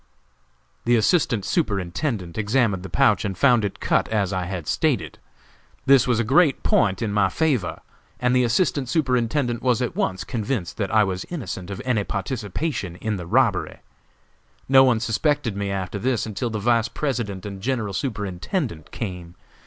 "The Assistant Superintendent examined the pouch and found it cut, as I had stated. This was a great point in my favor, and the Assistant Superintendent was at once convinced that I was innocent of any participation in the robbery. No one suspected me after this until the Vice President and General Superintendent came.